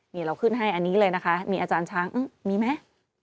นี่เราขึ้นให้อันนี้เลยนะคะมีอาจารย์ช้างมีไหม